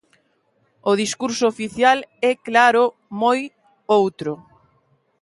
O discurso oficial é, claro, moi outro.